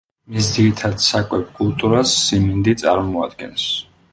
მის ძირითად საკვებ კულტურას სიმინდი წარმოადგენს.